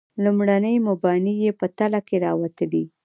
لومړني مباني یې په تله کې راوتلي.